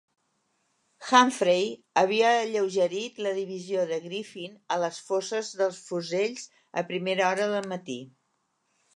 Humphrey havia alleugerit la divisió de Griffin a les fosses dels fusells a primera hora del matí.